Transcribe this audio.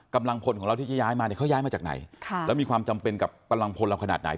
กำลังพลของเราที่จะย้ายมาเนี่ยเขาย้ายมาจากไหนแล้วมีความจำเป็นกับกำลังพลเราขนาดไหน